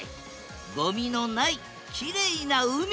ごみのないきれいな海。